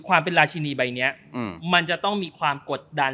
ความเป็นราชินีใบนี้มันจะต้องมีความกดดัน